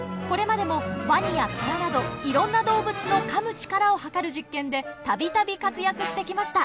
これまでもワニやトラなどいろんな動物のかむ力を測る実験で度々活躍してきました。